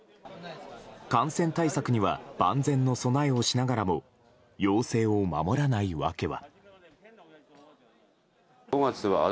感染対策には万全の備えをしながらも要請を守らない訳は。